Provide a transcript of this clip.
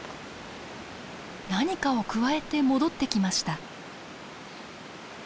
何かをくわえて戻ってきました。